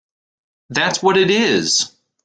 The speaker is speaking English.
That’s what it is!